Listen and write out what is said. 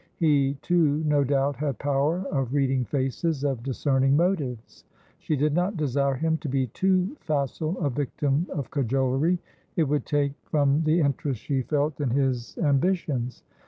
He, too, no doubt, had power of reading faces, of discerning motives. She did not desire him to be too facile a victim of cajolery; it would take from the interest she felt in his ambitions.